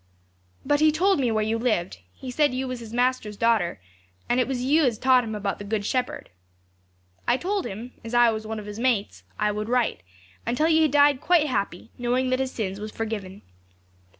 'But he told me where you lived; he said you was his master's daughter, and it was you as taught him about the Good Shepherd. 'I told him, as I was one of his mates, I would write, and tell you he died quite happy, knowing that his sins was forgiven.